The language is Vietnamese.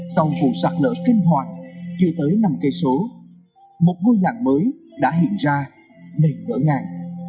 sau vụ sật lửa kinh hoàng chưa tới năm km một ngôi làng mới đã hiện ra nền vỡ ngàn